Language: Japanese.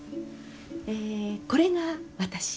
えこれが私。